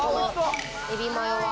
エビマヨ。